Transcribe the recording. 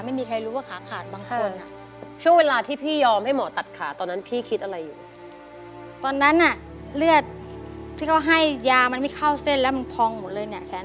เมื่อก่อนนี้พี่คือไม่เคยให้ใครเห็นขา